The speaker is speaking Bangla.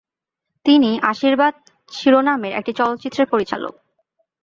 তিনি "আশীর্বাদ" শিরোনামের একটি চলচ্চিত্রের পরিচালক।